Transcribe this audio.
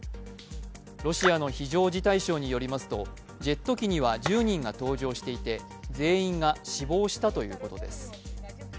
ロシアの非常事態省によりますとジェット機には１０人が搭乗していて全員が死亡したということです。